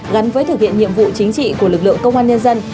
gắn với thực hiện nhiệm vụ chính trị của lực lượng công an nhân dân